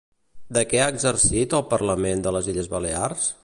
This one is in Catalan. De què ha exercit al Parlament de les Illes Balears?